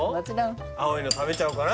青いの食べちゃおうかな